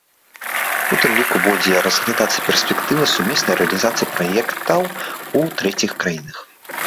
У тым ліку будзе разглядацца перспектыва сумеснай рэалізацыі праектаў у трэціх краінах.